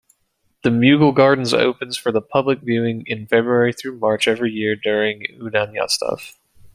The Mughal Gardens opens for general public viewing in February-March every year during "Udyanotsav".